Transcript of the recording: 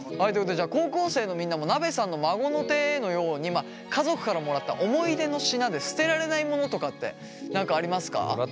高校生のみんなもなべさんの孫の手のように家族からもらった思い出の品で捨てられないモノとかって何かありますか？